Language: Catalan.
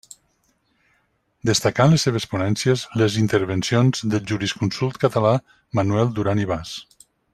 Destacà en les seves ponències les intervencions del jurisconsult català Manuel Duran i Bas.